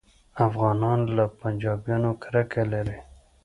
افغانان له پنجابیانو کرکه لري